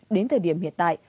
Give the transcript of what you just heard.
đến thời điểm hiện tại